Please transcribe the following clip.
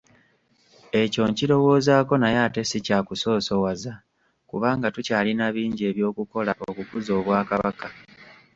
Ekyo nkirowoozaako naye ate si kyakusoosowaza kubanga tukyalina bingi ebyokukola okukuza Obwakabaka.